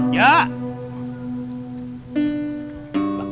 kita tempat pembawaan